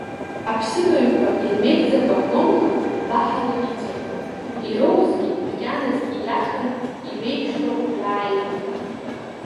Аԥсыбаҩқәа ирмеигӡакәа ломла, баҳала иҵырхуан, ироуазгьы макьаназ ииашан иеиҩшо иааиуан.